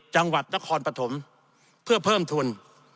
จังหวัดนครปฐมเพื่อเพิ่มทุน